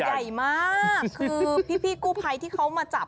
ใหญ่มากคือพี่กู้ภัยที่เขามาจับ